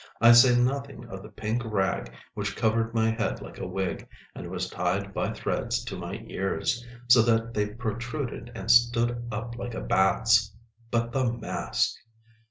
I say nothing of the pink rag which covered my head like a wig, and was tied by threads to my ears, so that they protruded and stood up like a bat's. But the mask!